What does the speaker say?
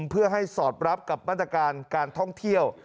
เพื่อให้สอดรับกับมาตรการการท่องเที่ยว